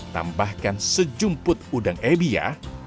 tambahkan sejumput udang ebi ya